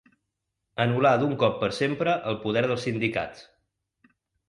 Anul·lar d'un cop per sempre el poder dels sindicats.